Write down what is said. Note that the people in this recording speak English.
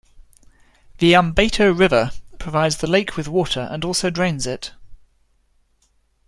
The Ambato River provides the lake with water and also drains it.